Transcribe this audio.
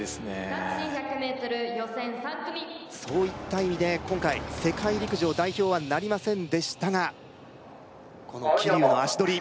男子１００ｍ予選３組そういった意味で今回世界陸上代表はなりませんでしたがこの桐生の足取り